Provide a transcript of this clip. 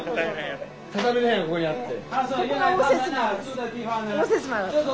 畳の部屋がここにあって。